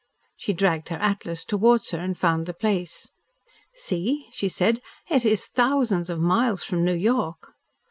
She dragged her atlas towards her and found the place. "See," she said. "It is thousands of miles from New York."